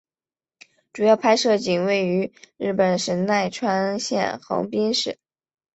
主要拍摄场景位于日本神奈川县横滨市。